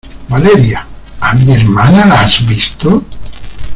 ¡ Valeria! ¿ a mi hermana la has visto?